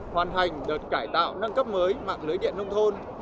hoàn thành đợt cải tạo nâng cấp mới mạng lưới điện nông thôn